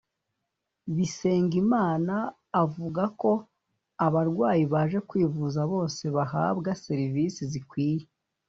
Bisengimana avuga ko abarwayi baje kwivuza bose bahabwa serivise zikwiye